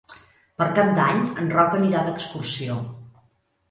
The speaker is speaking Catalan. Per Cap d'Any en Roc anirà d'excursió.